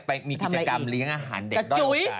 ไปมีกิจกรรมเลี้ยงอาหารเด็ก